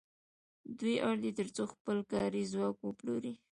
دوی اړ دي تر څو خپل کاري ځواک وپلوري